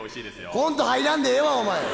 コント入らんでええわお前。